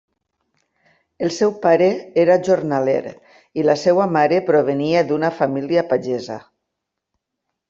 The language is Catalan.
El seu pare era jornaler i la seva mare provenia d'una família pagesa.